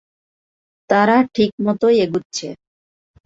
তারা ঠিকমতোই এগুচ্ছে!